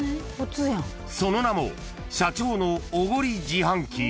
［その名も社長のおごり自販機］